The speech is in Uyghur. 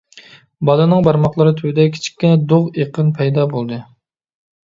بالىنىڭ بارماقلىرى تۈۋىدە كىچىككىنە دۇغ ئېقىن پەيدا بولدى.